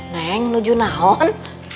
neng tujuh tahun